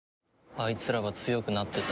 あいつらは強くなってた。